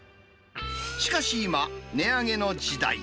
しかし今、値上げの時代。